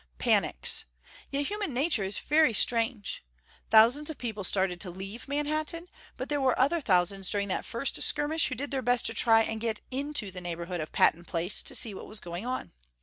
Panics.... Yet human nature is very strange. Thousands of people started to leave Manhattan, but there were other thousands during that first skirmish who did their best to try and get to the neighborhood of Patton Place to see what was going on.